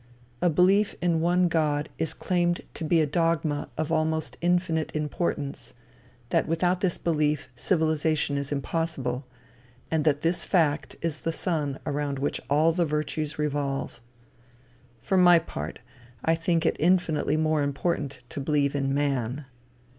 A belief in one God is claimed to be a dogma of almost infinite importance, that without this belief civilization is impossible, and that this fact is the sun around which all the virtues revolve, For my part, I think it infinitely more important to believe in man.